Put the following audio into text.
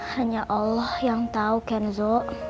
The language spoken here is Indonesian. hanya allah yang tahu kenzo